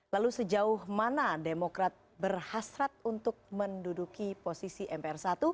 lalu sejauh mana demokrat berhasrat untuk menduduki posisi mpr satu